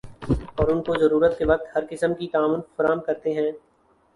اور ان کو ضرورت کے وقت ہر قسم کی تعاون فراہم کرتے ہیں ۔